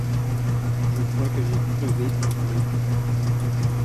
Je crois que j'ai crevé un pneu.